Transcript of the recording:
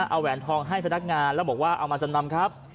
เอาแหวนทองให้พนักงานแล้วบอกว่าเอามาจำนำครับ